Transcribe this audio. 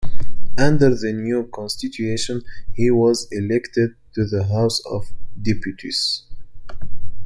Under the new constitution he was elected to the House of Deputies.